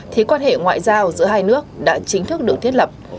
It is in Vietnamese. thì quan hệ ngoại giao giữa hai nước đã chính thức được thiết lập